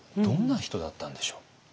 どんな人だったんでしょう？